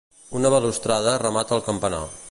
Una balustrada remata el campanar.